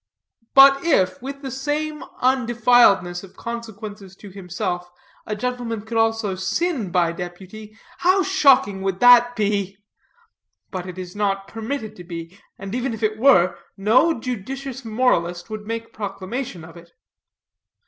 But if, with the same undefiledness of consequences to himself, a gentleman could also sin by deputy, how shocking would that be! But it is not permitted to be; and even if it were, no judicious moralist would make proclamation of it.